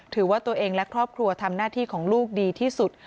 ถือว่าตัวเองและครอบครัวทำหน้าที่ของลูกดีที่สุด